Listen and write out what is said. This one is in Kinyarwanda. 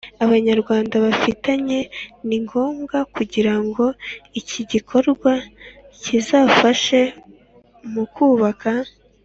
Abanyarwanda bafitanye ni ngombwa Kugira ngo iki gikorwa kizafashe mu kubaka